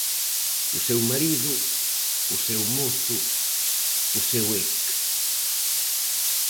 O seu marido, o seu mozo, o seu ex.